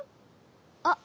あっ！